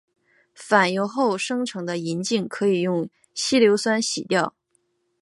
反应后生成的银镜可以用稀硝酸洗掉。